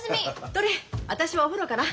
どれ私はお風呂かな。